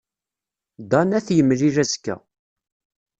Dan ad t-yemlil azekka.